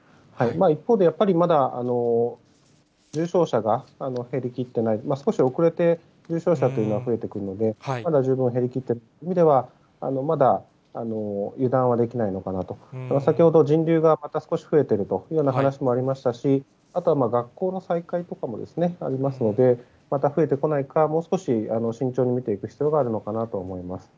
一方で、やっぱりまだ重症者が減りきっていない、少し遅れて重症者というのは増えてくるので、まだ十分減りきっていないという意味では、まだ油断はできないのかなと、先ほど人流がまた少し増えているというような話もありましたし、あとは学校の再開とかもありますので、また増えてこないか、もう少し慎重に見ていく必要があるのかなと思います。